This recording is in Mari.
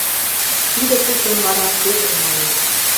Тиде пучым вара Пӧтыр налеш.